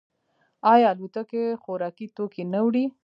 آیا الوتکې خوراکي توکي نه وړي؟